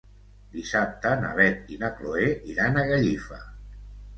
Dissabte na Beth i na Chloé iran a Gallifa.